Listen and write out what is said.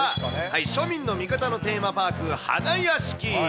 庶民の味方のテーマパーク、花やしき。